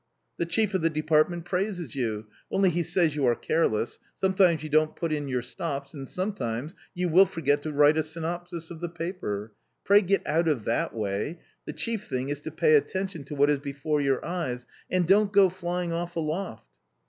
The chief of the department praises you; only he says you are careless ; sometimes you don't put in your stops, and some times you will forget to write a synopsis of the paper. Pray get out of that way; the chief thing is to pay attention to what is before your eyes, and don't go flying off aloft."